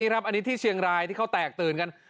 อันนี้ครับอันนี้ที่เชียงรายที่เขาแตกตื่นกัน